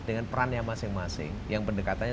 dengan peran yang masing masing yang pendekatannya